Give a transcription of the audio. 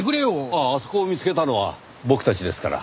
あああそこを見つけたのは僕たちですから。